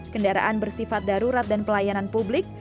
kendaraan bersifat darurat dan pelayanan publik